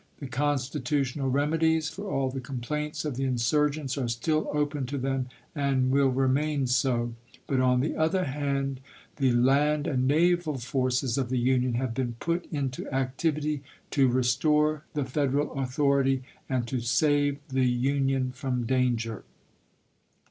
The constitutional remedies for aU the complaints of the insurgents are still open to them and will remain so. But on the other hand, the land and naval forces of the Union have been put into Seward to activity to restore the Federal authority and to save the Dayton, tt •^ i May 4, 1861. Union trom danger.